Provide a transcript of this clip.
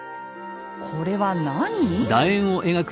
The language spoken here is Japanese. これは何？